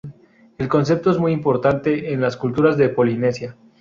El concepto es muy importante en las culturas de Polinesia.